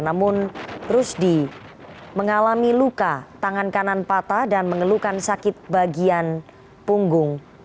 namun rusdi mengalami luka tangan kanan patah dan mengeluhkan sakit bagian punggung